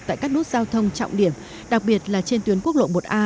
tại các nút giao thông trọng điểm đặc biệt là trên tuyến quốc lộ một a